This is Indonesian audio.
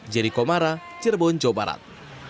jadi komara cirebon jawa barat